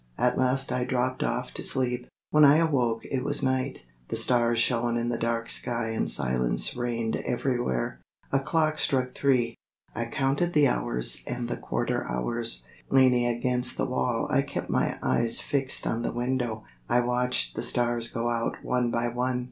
At last I dropped off to sleep. When I awoke it was night. The stars shone in the dark sky and silence reigned everywhere. A clock struck three. I counted the hours and the quarter hours. Leaning against the wall I kept my eyes fixed on the window. I watched the stars go out one by one.